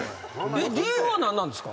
えっ理由は何なんですか？